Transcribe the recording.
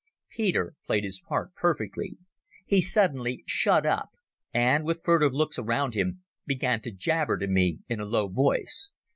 Peter played his part perfectly. He suddenly shut up, and, with furtive looks around him, began to jabber to me in a low voice.